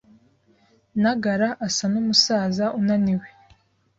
Ntagara asa numusaza unaniwe.